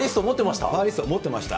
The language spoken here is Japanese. パワーリスト持ってました？